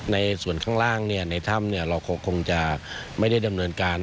ในส่วนข้างล่างในถ้ำเราคงจะไม่ได้ดำเนินการ